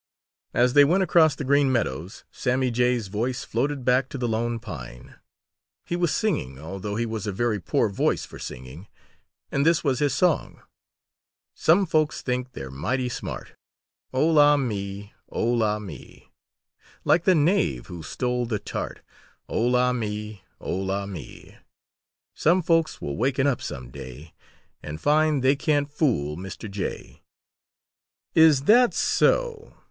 As they went across the Green Meadows, Sammy Jay's voice floated back to the Lone Pine. He was singing, although he has a very poor voice for singing, and this was his song: [Illustration: "What do you mean?" exclaimed the others all together.] "Some folks think they're mighty smart Oh, la me! Oh, la me! Like the knave who stole the tart Oh, la me! Oh, la me! Some folks will waken up some day And find they can't fool Mr. Jay!" "Is that so?